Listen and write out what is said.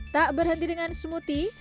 tak berhenti dengan smoothie